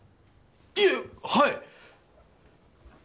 いえッはい！